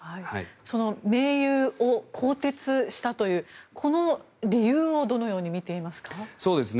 その盟友を更迭したというこの理由をどのように見ていますか。